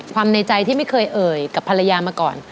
ในใจที่ไม่เคยเอ่ยกับภรรยามาก่อน